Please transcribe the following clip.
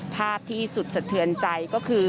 ภาพที่สุดสะเทือนใจก็คือ